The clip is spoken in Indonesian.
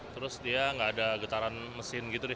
terus dia nggak ada getaran mesin gitu deh